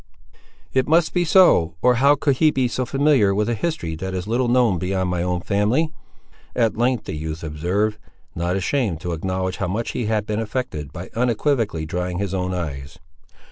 "It must be so, or how could he be so familiar with a history that is little known beyond my own family," at length the youth observed, not ashamed to acknowledge how much he had been affected, by unequivocally drying his own eyes.